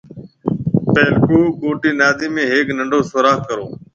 پيلڪو موٽِي نادِي ۾ ھيَََڪ ننڊو سوراخ ڪرو